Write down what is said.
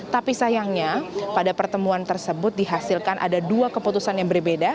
tapi sayangnya pada pertemuan tersebut dihasilkan ada dua keputusan yang berbeda